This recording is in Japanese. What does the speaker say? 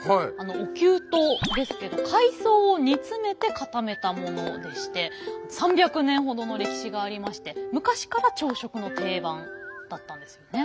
おきゅうとですけど海藻を煮詰めて固めたものでして３００年ほどの歴史がありまして昔から朝食の定番だったんですよね。